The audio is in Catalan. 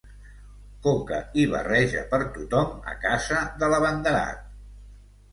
Coca i barreja per tothom a casa de l'abanderat.